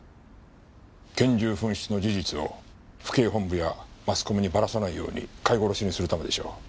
拳銃紛失の事実を府警本部やマスコミにばらさないように飼い殺しにするためでしょう。